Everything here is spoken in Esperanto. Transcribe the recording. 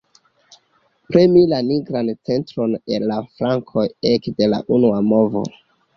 Premi la nigran centron el la flankoj ekde la unua movo.